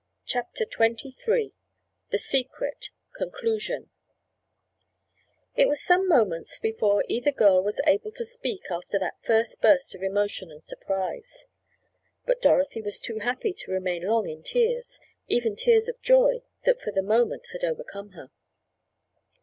CHAPTER XXIII THE SECRET—CONCLUSION It was some moments before either girl was able to speak after that first burst of emotion and surprise. But Dorothy was too happy to remain long in tears—even tears of joy that for the moment had overcome her.